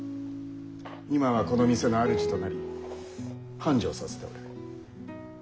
今はこの店の主となり繁盛させておる。